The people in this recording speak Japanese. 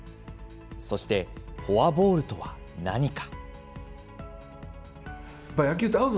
そしてフォアボールとは何か。